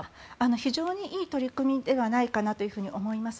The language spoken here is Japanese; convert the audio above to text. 非常にいい取り組みではないかなと思います。